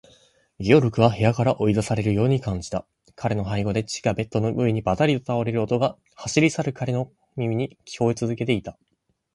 ゲオルクは部屋から追い出されるように感じた。彼の背後で父がベッドの上にばたりと倒れる音が、走り去る彼の耳に聞こえつづけていた。